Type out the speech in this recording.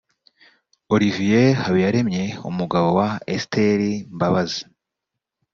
Olivier Habiyaremye umugabo wa Esther Mbabazi